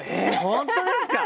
本当ですか！